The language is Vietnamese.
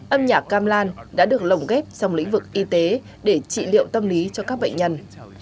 âm nhạc gamlan đã được lồng ghép trong lĩnh vực y tế để trị liệu tâm lý cho các bệnh nhân